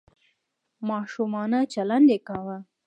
ماشومانه چلند یې کاوه .